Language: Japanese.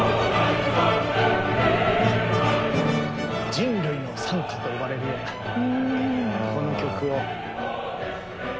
人類の賛歌と呼ばれるようなこの曲を。